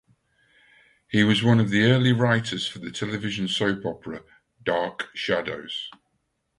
He was one of the early writers for the television soap opera "Dark Shadows".